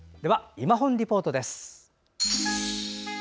「いまほんリポート」。